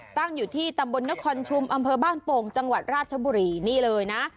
ตั้งอยู่ที่ตำบลนครชุมอำเภอบ้านโป่งจังหวัดราชบุรีนี่เลยนะ